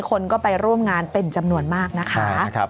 คนก็ไปร่วมงานเป็นจำนวนมากนะคะ